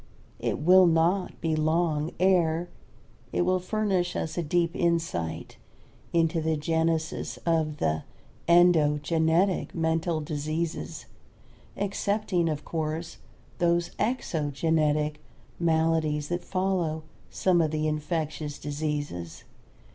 It will not be long ere it will furnish us a deep insight into the genesis of the "endogenetic mental diseases," excepting, of course, those "exogenetic" maladies that follow some of the infectious diseases.